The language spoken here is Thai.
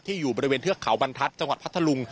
อยู่บริเวณเทือกเขาบรรทัศน์จังหวัดพัทธลุง